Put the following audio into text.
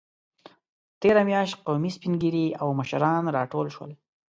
تېره میاشت قومي سپینږیري او مشران راټول شول.